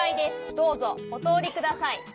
どうぞおとおりください」。